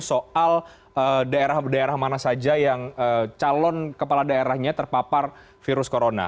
soal daerah daerah mana saja yang calon kepala daerahnya terpapar virus corona